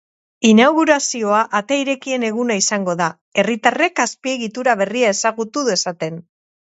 Inaugurazioa ate irekien eguna izango da, herritarrek azpiegitura berria ezagutu dezaten.